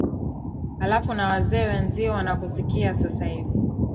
halafu na wazee wenzio wanakusikia sasa hivi